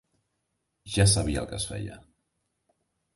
Ja sabia el que es feia